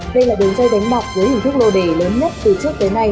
đây là đường dây đánh bạc với hình thức lô đề lớn nhất từ trước tới nay